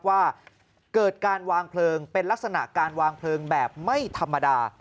ว่าเกิดการวางเพลิงเป็นลักษณะการวางเพลิงแบบไม่ธรรมดา